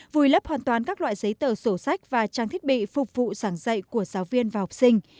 vùi lấp hoàn toàn các loại giấy tờ sổ sách và trang thiết bị phục vụ sảng dạy của giáo viên và học sinh